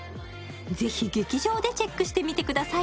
ぜひ劇場でチェックしてみてください。